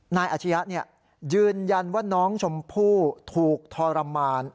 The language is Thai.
อาชียะยืนยันว่าน้องชมพู่ถูกทรมาน